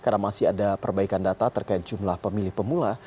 karena masih ada perbaikan data terkait jumlah pemilih pemula